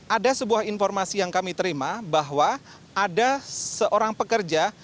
ada sebuah informasi yang kami terima bahwa ada seorang pekerja